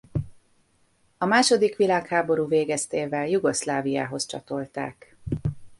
A második világháború végeztével Jugoszláviához csatolták.